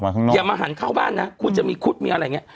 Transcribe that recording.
อย่ามาหันเข้าบ้านนะคุณจะมีคุดมีอะไรอย่างนี้